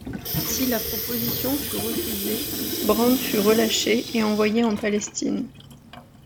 Si la proposition fut refusée, Brand fut relâché et envoyé en Palestine.